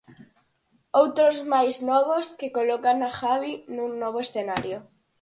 Outros máis novos que colocan a Javi nun novo escenario.